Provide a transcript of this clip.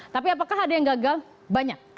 tapi apakah ada yang gagal banyak